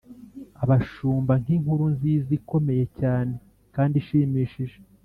abashumba nk’inkuru nziza ikomeye cyane kandiishimishije